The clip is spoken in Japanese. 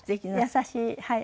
優しいはい。